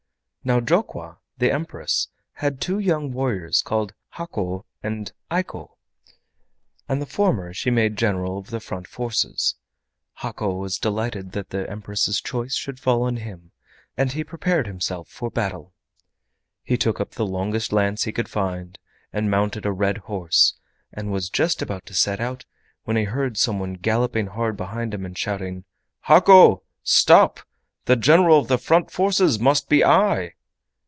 Now Jokwa, the Empress, had two young warriors called Hako and Eiko, and the former she made General of the front forces. Hako was delighted that the Empress's choice should fall on him, and he prepared himself for battle. He took up the longest lance he could find and mounted a red horse, and was just about to set out when he heard some one galloping hard behind him and shouting: "Hako! Stop! The general of the front forces must be I!"